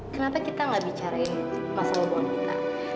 kenapa kita gak bicarain masalah perempuan kita